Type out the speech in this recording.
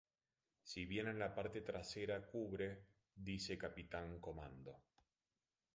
Si bien en la parte trasera cubre, dice "Captain Commando".